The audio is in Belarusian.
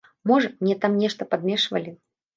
Можа, мне там нешта падмешвалі?